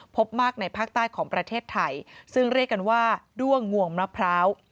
พบมากในภาคใต้ของประเทศไทยซึ่งเรียกกันว่าด้วงงวงมะพร้าว